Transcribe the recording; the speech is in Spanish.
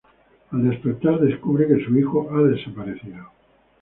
Al despertar, descubre que su hijo ha desaparecido.